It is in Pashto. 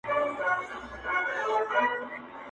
o څوک چي ونو سره شپې کوي.